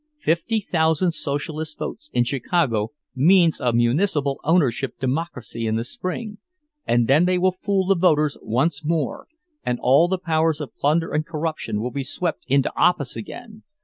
Fifty thousand Socialist votes in Chicago means a municipal ownership Democracy in the spring! And then they will fool the voters once more, and all the powers of plunder and corruption will be swept into office again!